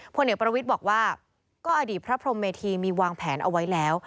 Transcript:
ผลเอกประวิทย์บอกว่าก็อดีตพระพรมเมธีมีวางแผนเอาไว้แล้ว